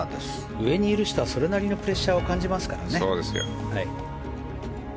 上にいる人は、それなりのプレッシャーを感じますから。